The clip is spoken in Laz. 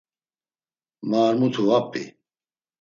Ma ar mutu va p̌i.